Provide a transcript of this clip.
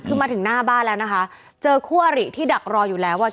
คือมาถึงหน้าบ้านแล้วนะคะเจอคู่อริที่ดักรออยู่แล้วว่า